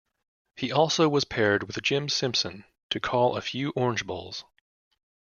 He also was paired with Jim Simpson to call a few Orange Bowls.